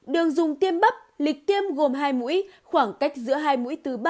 đường dùng tiêm bắp lịch tiêm gồm hai mũi khoảng cách giữa hai mũi từ ba đến bốn tuần